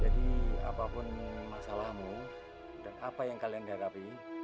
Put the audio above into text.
apapun masalahmu dan apa yang kalian hadapi